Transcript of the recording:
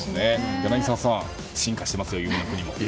柳澤さん進化してますよ、夢の国も。